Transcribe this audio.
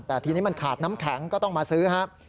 แต่ทีนี้มันขาดน้ำแข็งก็ต้องมาซื้อครับ